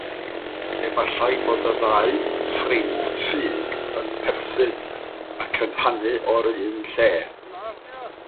Efallai bod y ddau “ffrind ffug” yn perthyn, ac yn hanu o'r un lle.